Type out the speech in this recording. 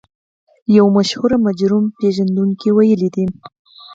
يو مشهور مجرم پېژندونکي ويلي دي.